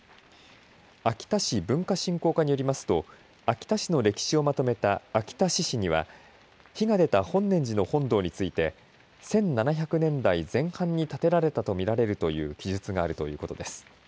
秋田市文化振興課によりますと秋田市の歴史をまとめた秋田市史には火が出た本念寺の本堂について１７００年代前半に建てられたと見られるという記述があるということです。